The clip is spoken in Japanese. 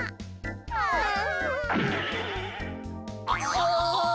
ああ。